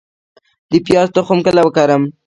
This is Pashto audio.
د پیاز تخم کله وکرم؟